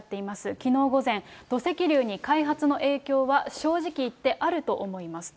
きのう午前、土石流に開発の影響は正直言ってあると思いますと。